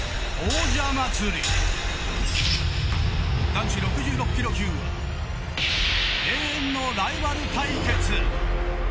男子６６キロ級永遠のライバル対決。